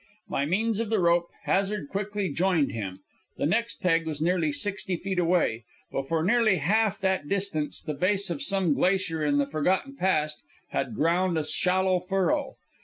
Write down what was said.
By means of the rope, Hazard quickly joined him. The next peg was nearly sixty feet away; but for nearly half that distance the base of some glacier in the forgotten past had ground a shallow furrow.